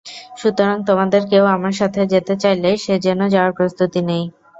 সুতরাং তোমাদের কেউ আমার সাথে যেতে চাইলে সে যেন যাওয়ার প্রস্তুতি নেয়।